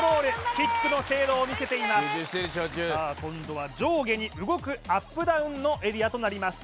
キックの精度を見せていますさあ今度は上下に動くアップダウンのエリアとなります